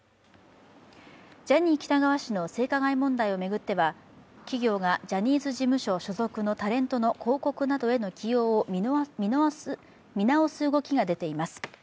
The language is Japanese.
ジャニー喜多川氏の性加害問題を巡っては企業がジャニーズ事務所所属のタレントの広告などへの起用を見直す動きが出ています。